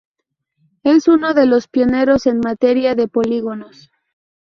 Es uno de los pioneros en materia de polígonos.